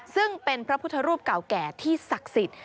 ซึ่งเป็นพระพุทธรูปเก่าแก่ที่ศักดิ์สิทธิ์